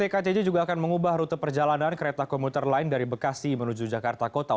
kcj menargetkan penghubungan kereta komuter lain dari bekasi menuju jakarta kota